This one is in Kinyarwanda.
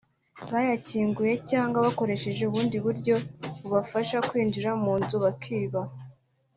bayakinguye cyangwa bakoresheje ubundi buryo bubafasha kwinjira mu nzu bakiba